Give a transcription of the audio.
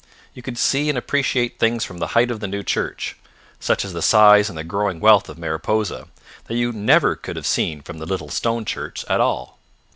You could see and appreciate things from the height of the new church, such as the size and the growing wealth of Mariposa, that you never could have seen from the little stone church at all.